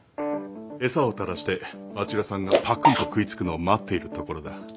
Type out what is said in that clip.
餌を垂らしてあちらさんがパクンと食い付くのを待っているところだ。